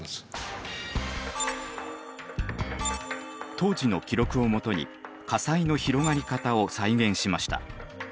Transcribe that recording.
当時の記録をもとに火災の広がり方を再現しました。